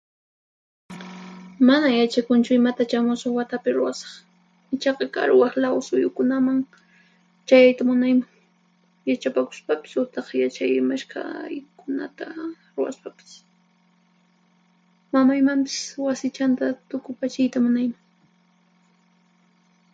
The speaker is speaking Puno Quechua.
Mana yachakunchu imatachá musuq watapi ruwasaq, ichaqa karu waqlaw suyukunaman chayayta munayman, yachapakuspapis utaq yachay mashkhaykunata ruwaspapis. Mamaymanpis wasichanta tukupachiyta munayman.